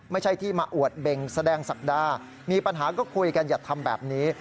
ไม่ใช่ที่มาอวดเบ่งแสดงศักดามีปัญหาก็คุยกันอย่าทำแบบนี้